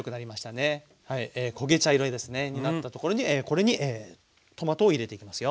焦げ茶色にですねになったところにこれにトマトを入れていきますよ。